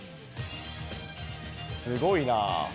すごいなぁ。